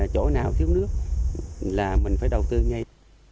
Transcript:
chỗ nào thiếu nước là mình phải đầu tư ngay